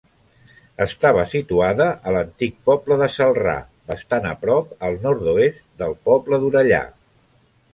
Estava situada a l'antic poble de Celrà, bastant a prop al nord-oest del poble d'Orellà.